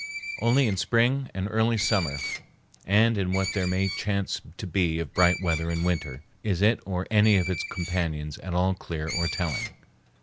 Only in spring and early summer and in what there may chance to be of bright weather in winter is it or any of its companions at all clear or telling.